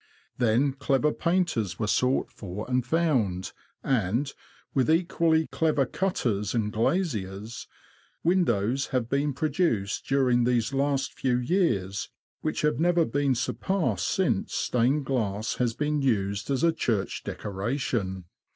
Then clever painters were sought for and found, and, with equally clever cutters and glaziers, windows have been produced during these last few years which have never been surpassed since stained glass has been used as a church decoration.